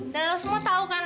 dan lo semua tahu kan